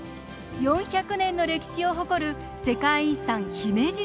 ４００年の歴史を誇る世界遺産・姫路城。